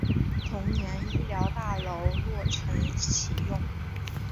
同年医疗大楼落成启用。